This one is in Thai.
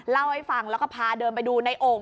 เล่าให้ฟังแล้วก็พาเดินไปดูในโอ่ง